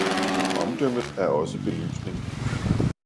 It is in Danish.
Omdømmet er også belysning.